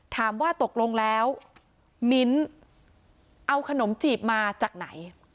ถามว่าตกลงแล้วมิ้นเอาขนมจีบมาจากไหน